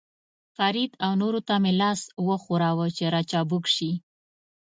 فرید او نورو ته مې لاس وښوراوه، چې را چابک شي.